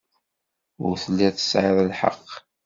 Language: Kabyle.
Ur telliḍ tesɛiḍ lḥeqq.